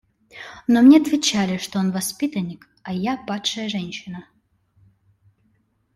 Но мне отвечали, что он воспитанник, а я падшая женщина.